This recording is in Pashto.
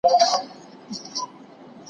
په زربفتو یې پوښلې ده هینداره